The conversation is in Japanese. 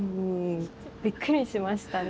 びっくりしましたね。